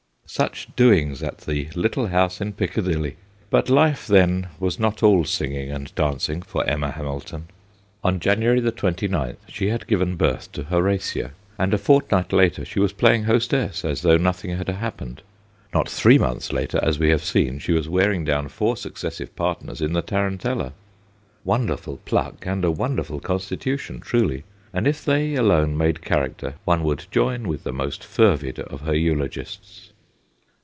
Such doings at the little house in Picca dilly ! But life then was not all singing and dancing for Emma Hamilton. On Janu 186 THE GHOSTS OF PICCADILLY ary 29 she had given birth to Horatia, and a fortnight later she was playing hostess, as though nothing had happened ; not three months later, as we have seen, she was wear ing down four successive partners in the tarantella. Wonderful pluck, and a won derful constitution truly ; and if they alone made character one would join with the most fervid of her eulogists.